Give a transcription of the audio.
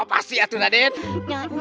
pasti ya raden